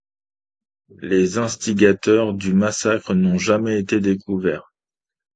Les instigateurs du massacre n'ont jamais été découverts.